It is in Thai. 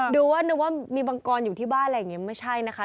ดูว่านึกว่ามีมังกรอยู่ที่บ้านอะไรอย่างนี้ไม่ใช่นะคะ